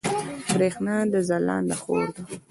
برېښنا د ځلاند خور ده